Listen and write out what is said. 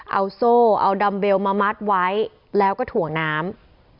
เอาโซ่เอาดัมเบลมามัดไว้แล้วก็ถ่วงน้ำ